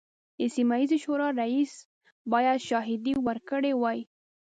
د سیمه ییزې شورا رئیس باید شاهدې ورکړي وای.